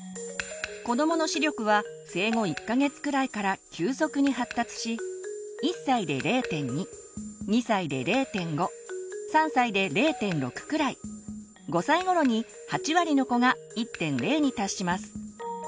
子どもの視力は生後１か月くらいから急速に発達し１歳で０．２２歳で０．５３歳で０．６くらい５歳頃に８割の子が１．０に達します。